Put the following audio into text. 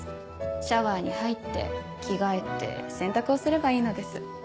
シャワーに入って着替えて洗濯をすればいいのです。